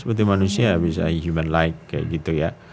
seperti manusia ya bisa human like kayak gitu ya